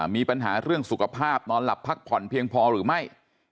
มีปัญหาเรื่องสุขภาพนอนหลับพักผ่อนเพียงพอหรือไม่